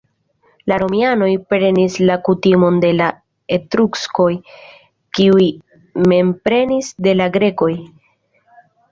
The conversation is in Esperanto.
La romianoj prenis la kutimon de la etruskoj, kiuj mem prenis de la grekoj.